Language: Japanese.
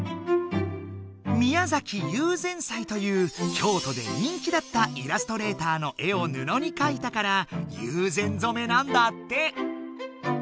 「宮崎友禅斎」という京都で人気だったイラストレーターの絵を布にかいたから「友禅染」なんだって。